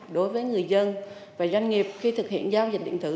đối với người dân và doanh nghiệp khi thực hiện giao dịch điện tử